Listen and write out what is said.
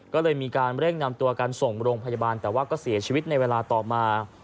ก็เลยมีการเร่งนำตัวกันส่งโรงพยาบาลแต่ว่าก็เสียชีวิตในเวลาต่อมา